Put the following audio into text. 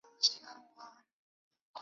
疏齿茶是山茶科山茶属的植物。